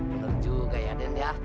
bener juga ya den ya